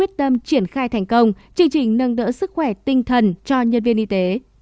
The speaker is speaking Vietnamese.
quyết tâm triển khai thành công chương trình nâng đỡ sức khỏe tinh thần cho nhân viên y tế